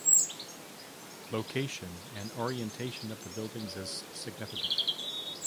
Location and orientation of the buildings is significant.